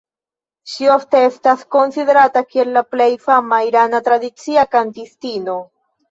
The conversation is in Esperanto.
Ŝi ofte estas konsiderata kiel la plej fama irana tradicia kantistino.